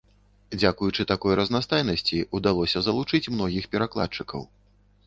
Дзякуючы такой разнастайнасці ўдалося залучыць многіх перакладчыкаў.